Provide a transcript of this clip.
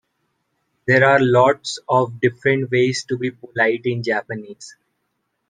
There are lots of different ways to be polite in Japanese.